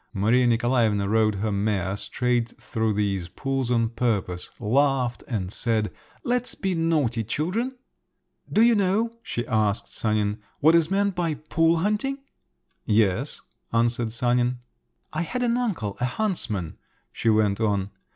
Maria Nikolaevna rode her mare straight through these pools on purpose, laughed, and said, "Let's be naughty children." "Do you know," she asked Sanin, "what is meant by pool hunting?" "Yes," answered Sanin. "I had an uncle a huntsman," she went on.